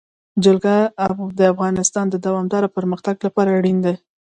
جلګه د افغانستان د دوامداره پرمختګ لپاره اړین دي.